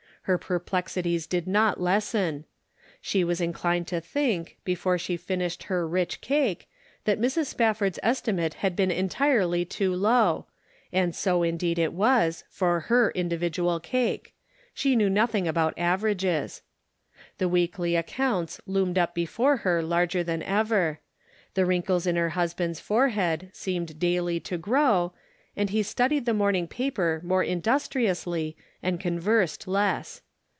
Her perplexities did not lessen. She was inclined to think, before she finished her rich cake, that Mrs. Spafford's estimate had been entirely too low ; and so indeed it was, for her individual cake ; she knew nothing about averages. The weekly accounts loomed up before her larger than ever ; the wrinkles in her husband's forehead seemed daily to grow, and he studied the morning paper more industriously and conversed less.